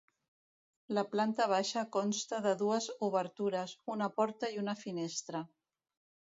La planta baixa consta de dues obertures, una porta i una finestra.